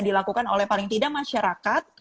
dilakukan oleh paling tidak masyarakat